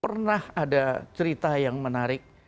pernah ada cerita yang menarik